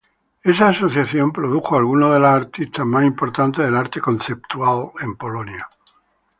Esa asociación produjo algunos de los artistas más importantes del arte conceptual en Polonia.